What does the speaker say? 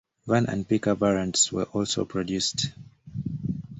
Van and pick-up variants were also produced.